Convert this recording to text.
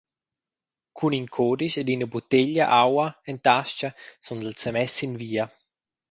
Cun in cudisch ed ina butteglia aua en tastga sundel semess sin via.